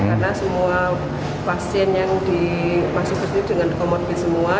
karena semua pasien yang dimasukkan dengan komodit semua